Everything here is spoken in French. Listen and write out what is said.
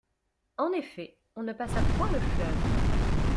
En effet, on ne passa point le fleuve.